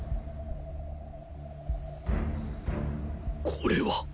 これは